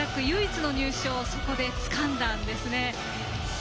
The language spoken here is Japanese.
唯一の入賞をそこで、つかんだんですね。